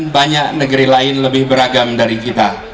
banyak negeri lain lebih beragam dari kita